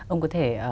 ông có thể